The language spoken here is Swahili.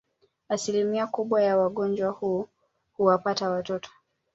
Asilimia kubwa ya ugonjwa huu huwapata watoto